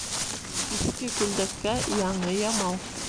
Иҫке күлдәккә яңы ямау.